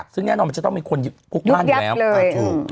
ซึ่งแน่นอนมันจะต้องมีคนยุกยักษ์เลย